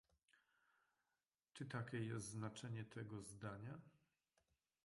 Czy takie jest znaczenie tego zdania?